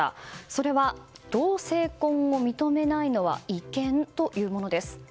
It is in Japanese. それは、同性婚を認めないのは違憲というものです。